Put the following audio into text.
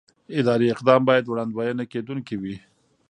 اداري اقدام باید وړاندوينه کېدونکی وي.